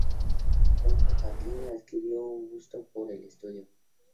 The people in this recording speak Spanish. Pronto Hakim adquirió un gusto por el estudio.